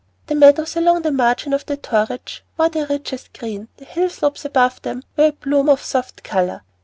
The meadows along the margin of the Torridge wore their richest green, the hill slopes above them were a bloom of soft color.